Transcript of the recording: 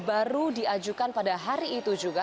baru diajukan pada hari itu juga